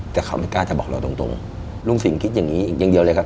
แต่เขาไม่กล้าจะบอกเราตรงตรงลุงสิงห์คิดอย่างงี้อย่างเดียวเลยครับ